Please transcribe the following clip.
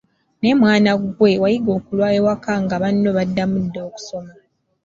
Naye mwana ggwe wayiga okulwa ewaka nga banno baddamu dda okusoma.